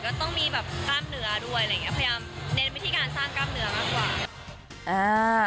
ก็ต้องมีแบบกล้ามเหนือด้วยพยายามเน้นวิธีการสร้างกล้ามเหนือมากกว่า